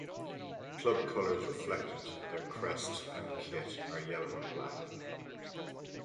The club colours, reflected in their crest and kit, are yellow and black.